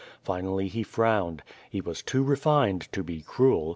Finally he frowned. He was too re fined to be cruel.